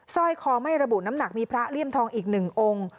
สร้อยคอไม่ระบุน้ำหนักมีพระเลี่ยมทองอีก๑องค์